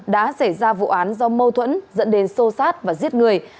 đã xảy ra vụ án do mâu thuẫn dẫn đến xô xát và giết người